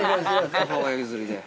◆母親譲りで。